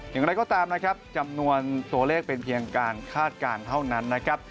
อย่างไรก็ตามนะครับจำนวนตัวเลขเป็นเพียงการคาดการณ์เท่านั้นนะครับ